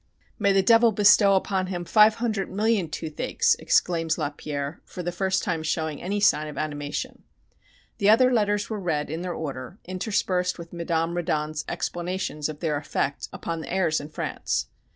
"May the devil bestow upon him five hundred million toothaches!" exclaims Lapierre, for the first time showing any sign of animation. The other letters were read in their order, interspersed with Madame Reddon's explanations of their effect upon the heirs in France.